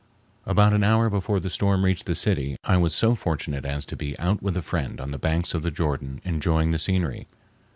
About an hour before the storm reached the city I was so fortunate as to be out with a friend on the banks of the Jordan enjoying the scenery.